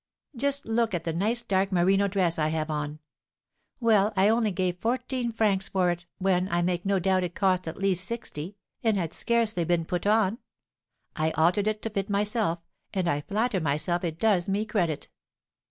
Just look at the nice dark merino dress I have on; well, I only gave fourteen francs for it, when, I make no doubt, it cost at least sixty, and had scarcely been put on. I altered it to fit myself; and I flatter myself it does me credit."